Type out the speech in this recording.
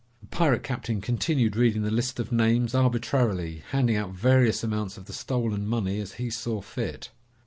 The pirate captain continued reading the list of names, arbitrarily, handing out various amounts of the stolen money as he saw fit.